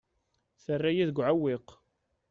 Terra-yi deg uɛewwiq.